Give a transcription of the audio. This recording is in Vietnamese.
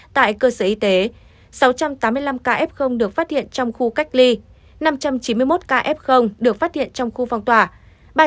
tại cơ sở y tế sáu trăm tám mươi năm ca f được phát hiện trong khu cách ly năm trăm chín mươi một ca f được phát hiện trong khu phong tỏa